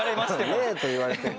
「ねぇ」と言われても。